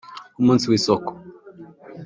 Ku munsi w’isoko